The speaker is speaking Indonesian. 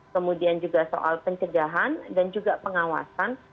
kemudian juga soal pencegahan dan juga pengawasan